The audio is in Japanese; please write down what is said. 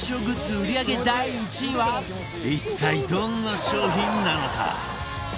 売り上げ第１位は一体どんな商品なのか？